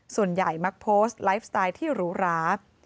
ส่วนใหญ่มักโพสต์ไลฟ์สไตล์ที่หรูหรา